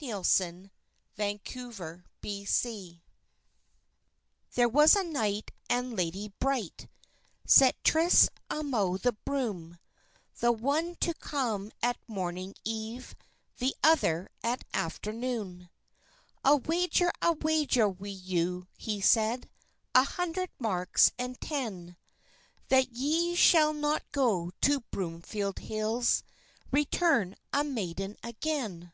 THE BROOMFIELD HILL THERE was a knight and lady bright Set trysts amo the broom, The one to come at morning eav, The other at afternoon. "I'll wager a wager wi' you," he said, "An hundred marks and ten, That ye shall not go to Broomfield Hills, Return a maiden again."